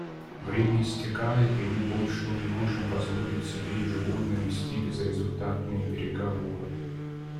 Время истекает, и мы больше не можем позволить себе ежегодно вести безрезультатные переговоры.